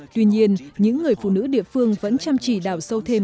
tuy nhiên những người phụ nữ địa phương vẫn chăm chỉ đào sâu thêm